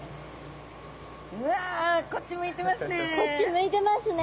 うわこっち向いてますね。